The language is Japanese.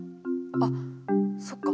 あっそっか。